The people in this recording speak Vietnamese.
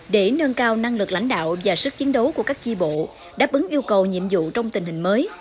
để nâng cao năng lực lãnh đạo và sức chiến đấu của các chi bộ đáp ứng yêu cầu nhiệm vụ trong tình hình mới